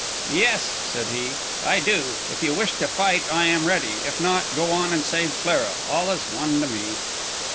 "Yes," said he, "I do. If you wish to fight, I am ready. If not, go on and save Clara. All is one to me."